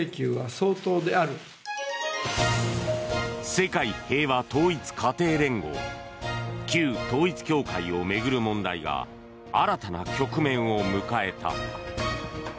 世界平和統一家庭連合旧統一教会を巡る問題が新たな局面を迎えた。